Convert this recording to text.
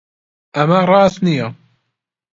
ئەمە ڕاست نییە.